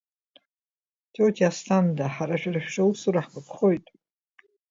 Тиотиа Асҭанда, ҳара шәара шәҿы аусура ҳгәаԥхоит.